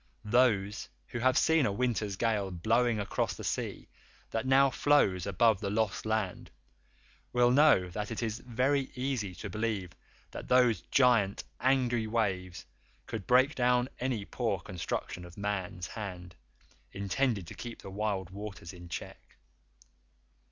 Those who have seen a winter gale blowing across the sea that now flows above the Lost Land will know that it is very easy to believe that those giant angry waves could break down any poor construction of man's hand intended to keep the wild waters in check.